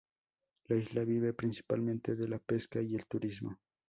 La isla vive principalmente de la pesca y el turismo.